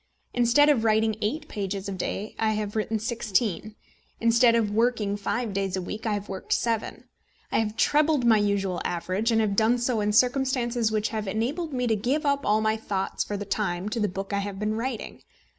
Instead of writing eight pages a day, I have written sixteen; instead of working five days a week, I have worked seven. I have trebled my usual average, and have done so in circumstances which have enabled me to give up all my thoughts for the time to the book I have been writing.